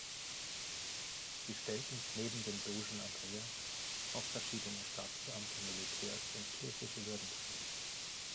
Sie stellten, neben dem Dogen Andrea, auch verschiedene Staatsbeamte, Militärs und kirchliche Würdenträger.